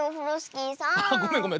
ごめんごめん。